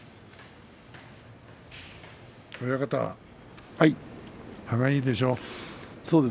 親方歯がゆいでしょう？